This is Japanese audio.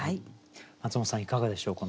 マツモトさんいかがでしょう？